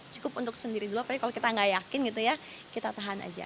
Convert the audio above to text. cukup untuk sendiri dulu tapi kalau kita nggak yakin gitu ya kita tahan aja